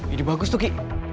ini bagus tuh ki